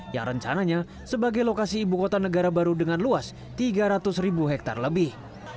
yang rencananya sebagai lokasi ibu kota negara baru dengan luas tiga ratus ribu hektare lebih